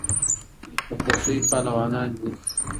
د خوښۍ پهلوانان دي